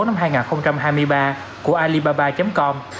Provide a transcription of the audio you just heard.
năm hai nghìn hai mươi ba của alibaba com